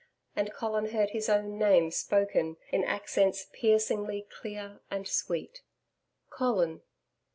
And Colin heard his own name spoken in accents piercingly clear and sweet. 'Colin.'